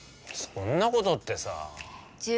「そんなこと」ってさあ。